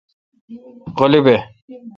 غلی بھ۔